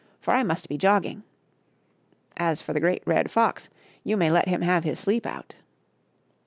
for I must be jogging. As for the Great Red Fox, you may let him have his sleep out."